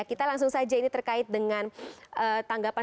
kita langsung saja ini terkait dengan tanggapan